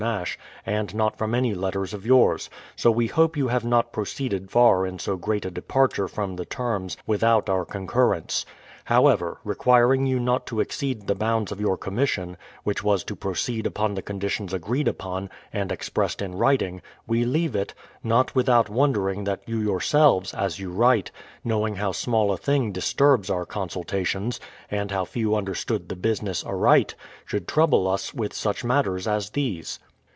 Nash, and not from any letters of yours ; so we hope you have not pro ceeded far in so great a departure from the terms without our concurrence. However, requiring you not to exceed the bounds of your commission, which was to proceed upon the conditions agreed Upon and expressed in writing, we leave it, — not without wonder ing that 3^ou yourselves, as you write, knowing how small a thing disturbs our consultations, and how few understand the business aright, should trouble us with such matters as these.